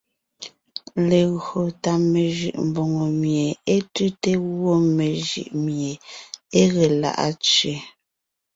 Legÿo tà mejʉʼ mbòŋo mie é tʉ́te; gwɔ́ mejʉʼ mié é ge lá’a tsẅé.